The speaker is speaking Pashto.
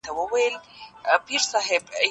سوله یوازې د جګړې نشتوالی نه دی.